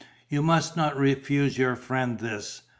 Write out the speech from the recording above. You must not refuse your friend this.